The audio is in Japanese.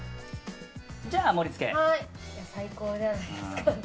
じゃあ、盛り付け。